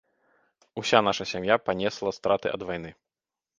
Уся наша сям'я панесла страты ад вайны.